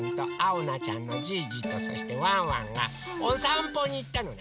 おなちゃんのじいじとそしてワンワンがおさんぽにいったのね。